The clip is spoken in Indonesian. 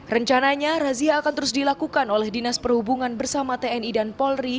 rencananya razia akan terus dilakukan oleh dinas perhubungan bersama tni dan polri